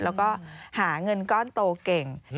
แล้วก็หาเงินก้อนโตเก่ง